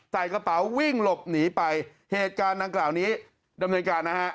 ใส่กระเป๋าวิ่งหลบหนีไปเหตุการณ์ดังกล่าวนี้ดำเนินการนะฮะ